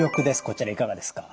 こちらいかがですか？